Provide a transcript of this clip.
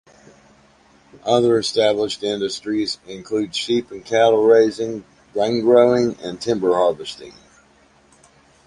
Other established industries include sheep and cattle raising, grain growing and timber harvesting.